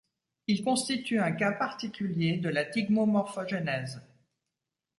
Il constitue un cas particulier de la thigmomorphogenèse.